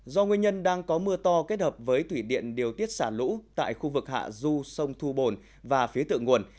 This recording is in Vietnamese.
do nguyên nhân đang có mưa to kết hợp với thủy điện điều tiết xả lũ tại khu vực hạ du sông thu bồn và phía tựa nguồn